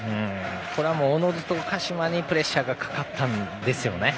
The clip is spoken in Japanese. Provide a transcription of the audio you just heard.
これは、おのずと鹿島にプレッシャーがかかったんですね。